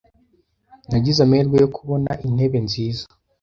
Nagize amahirwe yo kubona intebe nziza.